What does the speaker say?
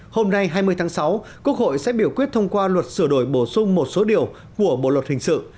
hôm nay hai mươi tháng sáu quốc hội sẽ biểu quyết thông qua luật sửa đổi bổ sung một số điều của bộ luật hình sự